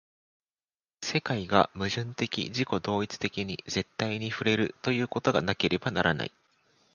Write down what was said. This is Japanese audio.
世界が矛盾的自己同一的に絶対に触れるということがなければならない。